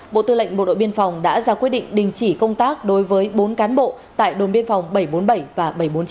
bộ tư lệnh bộ đội biên phòng đã ra quyết định đình chỉ công tác đối với bốn cán bộ tại đồn biên phòng bảy trăm bốn mươi bảy và bảy trăm bốn mươi chín